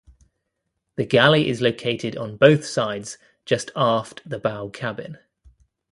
The galley is located on both sides just aft the bow cabin.